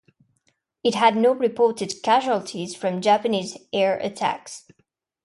It had no reported casualties from Japanese air attacks.